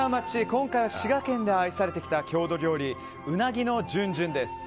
今回は滋賀県で愛されてきた郷土料理うなぎのじゅんじゅんです。